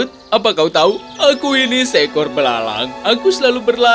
ragu aku menimbulkan kasih yang kau sayangi